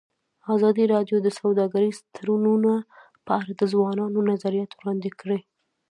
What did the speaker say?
ازادي راډیو د سوداګریز تړونونه په اړه د ځوانانو نظریات وړاندې کړي.